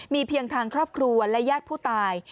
มีเพียงทางครอบครัวและญาติผู้ตาย